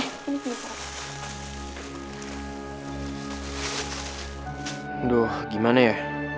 aduh gimana ya